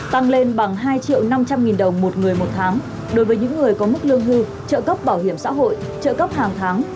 tăng lên bằng hai năm trăm linh nghìn đồng một người một tháng đối với những người có mức lương hưu trợ cấp bảo hiểm xã hội trợ cấp hàng tháng